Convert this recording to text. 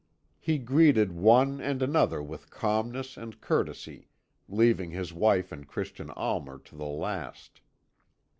He greeted one and another with calmness and courtesy, leaving his wife and Christian Almer to the last.